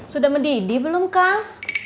sudah mendidih belum kak